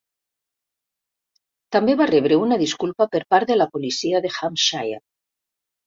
També va rebre una disculpa per part de la policia de Hampshire.